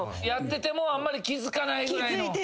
やっててもあんまり気付かないぐらいの。